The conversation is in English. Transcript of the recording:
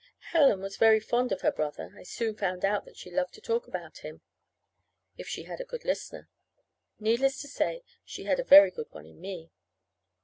Helen was very fond of her brother. I soon found that she loved to talk about him if she had a good listener. Needless to say she had a very good one in me.